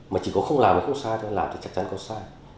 mà chỉ có không làm thì không sai làm thì chắc chắn có sai